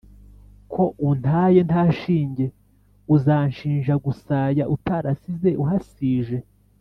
Ko untaye nta shinge Uzanshinja gusaya Utarasize uhasije